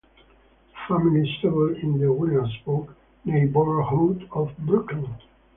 The family settled in the Williamsburg neighborhood of Brooklyn.